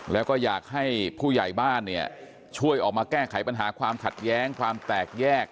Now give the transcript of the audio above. และแก้ปัญหาความถัดแย้งความแตกแยก